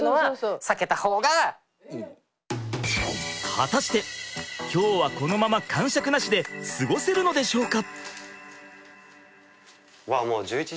果たして今日はこのままかんしゃくなしで過ごせるのでしょうか？